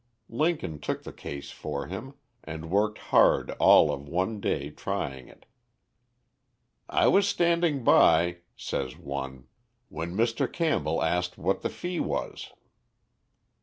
Lincoln took the case for him, and worked hard all of one day trying it. "I was standing by," says one, "when Mr. Campbell asked what the fee was.